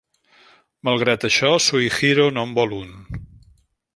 Malgrat això, Shuichiro no en vol un.